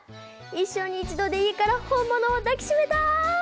一生に一度でいいから本物を抱きしめたい！